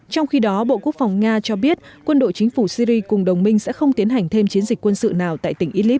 trong khi đó bộ quốc phòng nga cho biết quân đội chính phủ syri cùng đồng minh sẽ không tiến hành thêm chiến dịch quân sự nào tại tỉnh idlib